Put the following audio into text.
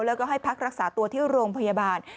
แล้วก็ให้พักรักษาตัวที่โรงพยาบาล